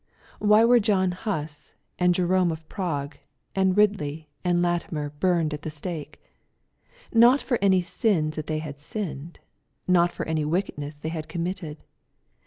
Why were John Huss, and Jerome of Prague, and Bidley, and Latimer burned at the stake ? Not for any sins that they had sinned, — ^not for any wickedness they had committed.